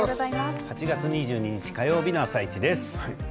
８月２２日火曜日の「あさイチ」です。